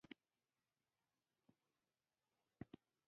دغه نظم شپون خپلې مور ته لیکلی وو.